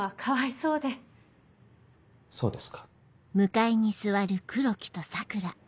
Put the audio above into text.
そうですか。